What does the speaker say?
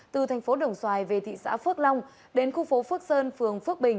từ thành phố đồng xoài về thị xã phước long đến khu phố phước sơn phường phước bình